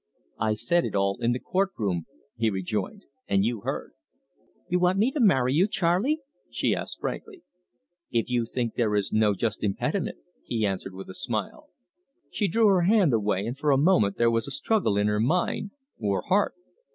"I said it all in the court room," he rejoined; "and you heard." "You want me to marry you Charley?" she asked frankly. "If you think there is no just impediment," he answered, with a smile. She drew her hand away, and for a moment there was a struggle in her mind or heart.